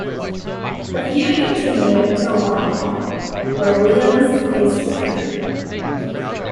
The feud continued until Lockdown, where Williams faced Roode.